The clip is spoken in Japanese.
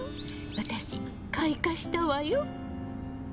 私開花したわよ。